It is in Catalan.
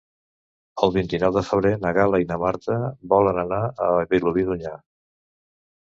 El vint-i-nou de febrer na Gal·la i na Marta volen anar a Vilobí d'Onyar.